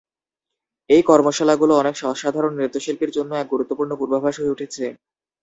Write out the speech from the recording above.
এই কর্মশালাগুলো অনেক অসাধারণ নৃত্যশিল্পীর জন্য এক গুরুত্বপূর্ণ পূর্বাভাস হয়ে উঠেছে।